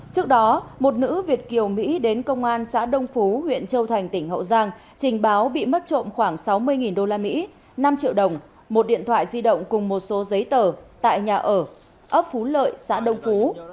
trước đó một nữ việt kiều mỹ đến công an xã đông phú huyện châu thành tỉnh hậu giang trình báo bị mất trộm khoảng sáu mươi usd năm triệu đồng một điện thoại di động cùng một số giấy tờ tại nhà ở ấp phú lợi xã đông phú